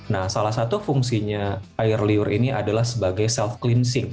nah salah satu fungsinya air liur ini adalah sebagai self cleansing